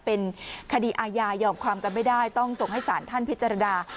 เป็นคดีอาญายอมความกันไม่ได้ต้องส่งให้สารท่านพิจารณา